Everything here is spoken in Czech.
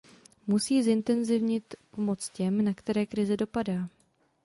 Musí zintenzivnit pomoc těm, na které krize dopadá.